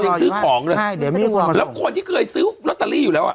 ยังซื้อของเลยใช่เดี๋ยวไม่ได้วางแล้วคนที่เคยซื้อลอตเตอรี่อยู่แล้วอ่ะ